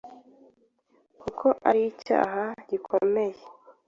kuko ari icyaha gikomeye